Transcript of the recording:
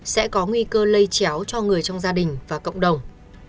sẽ có nguy cơ lây chéo cho người trong gia đình và cộng đồng